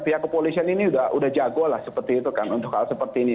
pihak kepolisian ini sudah jago lah seperti itu kan untuk hal seperti ini